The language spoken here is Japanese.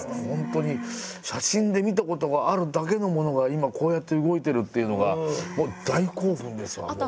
ホントに写真で見たことがあるだけのものが今こうやって動いてるっていうのがもう大興奮ですわ。